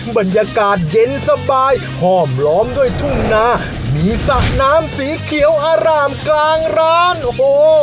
บรรยากาศเย็นสบายห้อมล้อมด้วยทุ่งนามีสระน้ำสีเขียวอร่ามกลางร้านโอ้โห